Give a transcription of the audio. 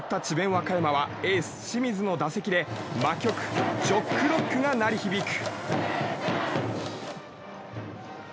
和歌山はエース、清水の打席で魔曲「ジョックロック」が鳴り響く。